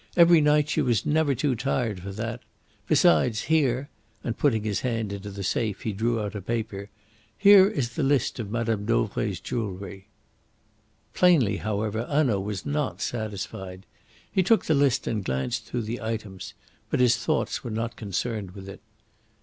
Every night she was never too tired for that. Besides, here" and putting his hand into the safe he drew out a paper "here is the list of Mme. Dauvray's jewellery." Plainly, however, Hanaud was not satisfied. He took the list and glanced through the items. But his thoughts were not concerned with it.